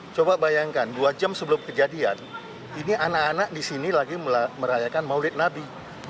coba bayangkan dua jam sebelum kejadian ini anak anak di sini lagi merayakan maulid nabi